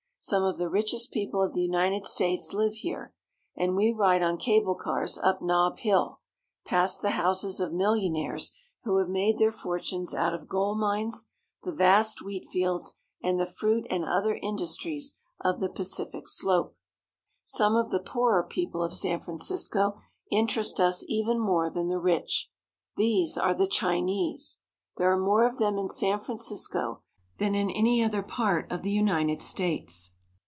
Some of the richest people of the United States live here, and we ride on cable cars up Nob Hill, past the houses of milHonaires who have made their fortunes out of gold mines, the vast wheatfields, and the fruit and other industries of the Pacific slope. Some of the poorer people of San Francisco interest us even more than the rich. These are the Chinese. There are more of them in San Francisco than in any other part of the United States.